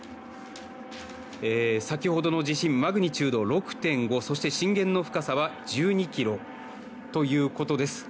先ほどの地震マグニチュード６．５そして震源の深さは１２ｋｍということです。